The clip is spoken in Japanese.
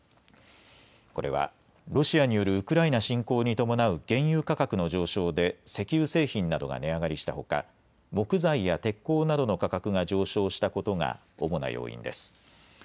これはロシアによるウクライナ侵攻に伴う原油価格の上昇で石油製品などが値上がりしたほか木材や鉄鋼などの価格が上昇したことが主な要因です。